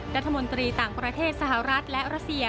รัฐมนตรีต่างประเทศสหรัฐและรัสเซีย